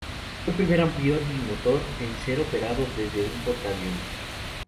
Fue el primer avión bimotor en ser operado desde un portaaviones.